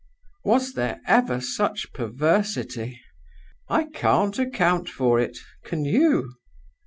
Was there ever such perversity? I can't account for it; can you?